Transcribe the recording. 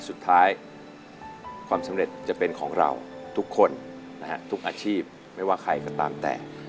สุดท้ายความสำเร็จจะเป็นของเราทุกคนนะฮะทุกอาชีพไม่ว่าใครก็ตามแต่